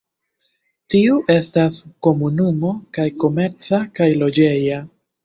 Tiu estas komunumo kaj komerca kaj loĝeja.